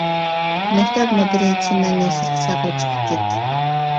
مەكتەپ مۇدىرى چىمەننى سىرتقا چاقىرىپ چىقىپ كەتتى.